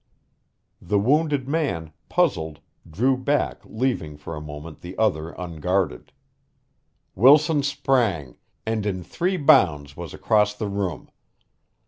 The wounded man, puzzled, drew back leaving for a moment the other unguarded. Wilson sprang, and in three bounds was across the room.